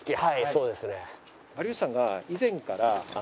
そうです。